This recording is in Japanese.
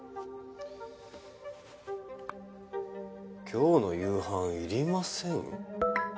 「今日の夕飯いりません」？